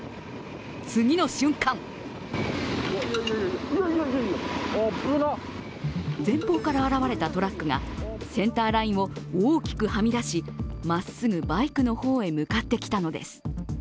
次の瞬間前方から現れたトラックがセンターラインを大きくはみ出しまっすぐバイクの方へ向かってきたのです。